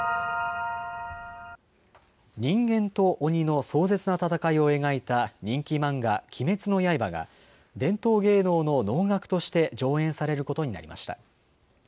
人間と鬼の壮絶な戦いを描いた人気漫画、鬼滅の刃が伝統芸能の能楽として上演されることになりました。